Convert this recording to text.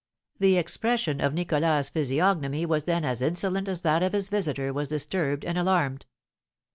The expression of Nicholas's physiognomy was then as insolent as that of his visitor was disturbed and alarmed.